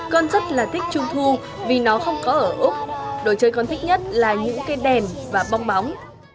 con rất là thích trung thu vì nó không có ở úc đồ chơi con thích nhất là những cái đèn và bong bóng